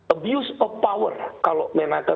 abuse of power kalau menaker